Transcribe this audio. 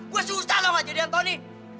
gua susah dong gak jadi anthony